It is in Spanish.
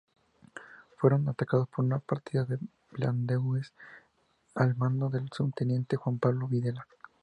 Fueron atacados por una partida de blandengues al mando del subteniente Juan Pablo Videla.